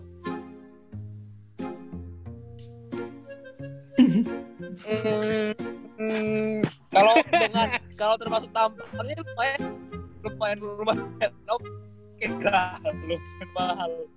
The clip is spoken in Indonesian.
kalo termasuk tampangnya lu main rumah terlalu mahal